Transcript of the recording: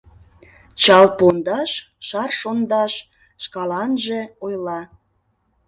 Чал-Пондаш Шар шондаш Шкаланже ойла